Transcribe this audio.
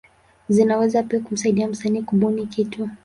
Zinaweza pia kumsaidia msanii kubuni kitu.